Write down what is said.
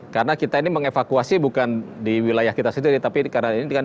karena kita ini mengevakuasi bukan di wilayah kita sendiri tapi karena ini kan ada di wilayah negara lain